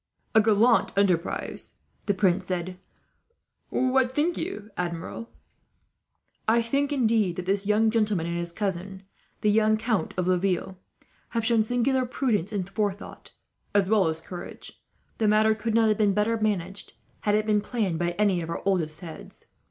"A gallant enterprise," the prince said. "What think you, Admiral?" "I think, indeed, that this young gentleman and his cousin, the young Count of Laville, have shown singular prudence and forethought, as well as courage. The matter could not have been better managed, had it been planned by any of our oldest heads.